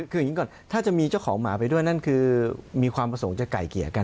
คืออย่างนี้ก่อนถ้าจะมีเจ้าของหมาไปด้วยนั่นคือมีความประสงค์จะไก่เกลี่ยกัน